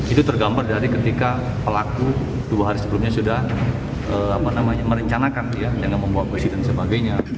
itu tergambar dari ketika pelaku dua hari sebelumnya sudah merencanakan dengan membawa besi dan sebagainya